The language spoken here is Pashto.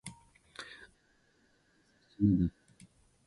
زړه د محبت سرچینه ده.